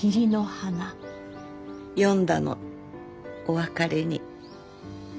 詠んだのお別れに。